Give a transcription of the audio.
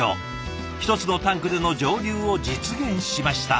一つのタンクでの蒸留を実現しました。